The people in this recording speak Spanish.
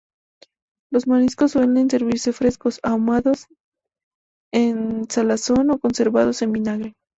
Los mariscos suelen servirse frescos, ahumados, en salazón o conservados en vinagre.